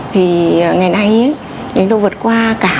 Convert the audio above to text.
thì ngày nay nó vượt qua cả